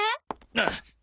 ああ。